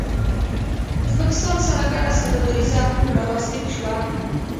ازبکستان سره ګډه سوداګريزه هوکړه لاسلیک شوه